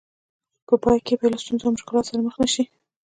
په پای کې به له ستونزو او مشکلاتو سره مخ نه شئ.